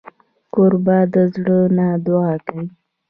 کوربه د زړه نه دعا کوي.